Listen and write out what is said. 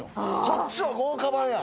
こっちは豪華版や。